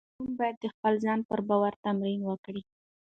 ماشوم باید د خپل ځان پر باور تمرین وکړي.